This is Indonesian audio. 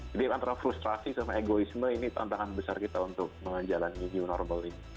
jadi antara frustrasi sama egoisme ini tantangan besar kita untuk menjalani new normal ini